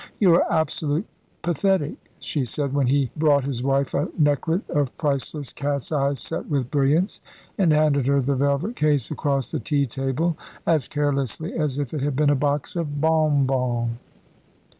"You are absolute pathetic," she said, when he brought his wife a necklet of priceless cat's eyes set with brilliants, and handed her the velvet case across the tea table as carelessly as if it had been a box of bonbons.